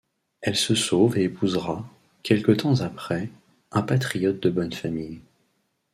Elle se sauve et épousera, quelque temps après, un patriote de bonne famille.